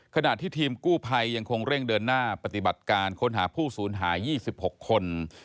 ขณะที่ทีมกู้ภัยยังคงเร่งเดินหน้าปฏิบัติการค้นหาผู้สูญหาย๒๖คน